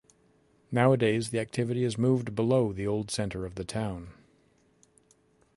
Nowadays, the activity has moved below the old centre of the town.